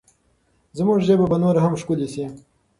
زموږ ژبه به نوره هم ښکلې شي.